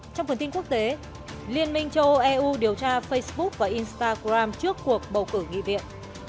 trong phần tin quốc tế liên minh châu âu eu điều tra facebook và instagram trước cuộc bầu cử nghị viện